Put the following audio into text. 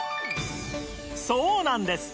そうなんです